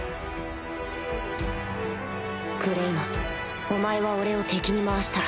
クレイマンお前は俺を敵に回した